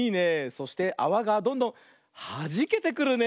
そしてあわがどんどんはじけてくるね。